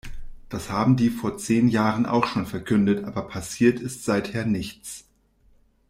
Das haben die vor zehn Jahren auch schon verkündet, aber passiert ist seither nichts.